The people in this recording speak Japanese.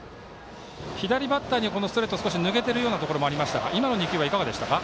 左バッターにはストレート抜けてるところがありましたが今の２球は、いかがでしたか？